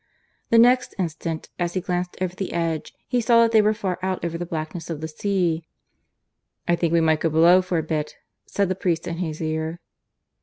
The next instant, as he glanced over the edge, he saw that they were far out over the blackness of the sea. "I think we might go below for a bit," said the priest in his ear.